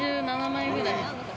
５７枚ぐらい。